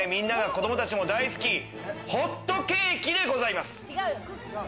子供たちも大好き、ホットケーキでございます！